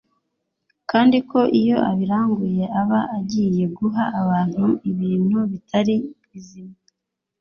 kandi ko iyo abiranguye aba agiye guha abantu ibintu bitari bizima